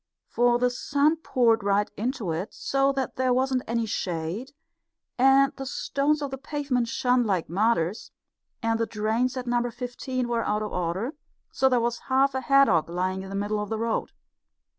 For the sun poured right into it, so that there wasn't any shade, and the stones of the pavement shone like martyrs, and the drains at Number Fifteen were out of order, and there was half a haddock lying in the middle of the road.